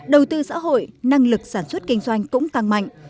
đầu tư xã hội năng lực sản xuất kinh doanh cũng tăng mạnh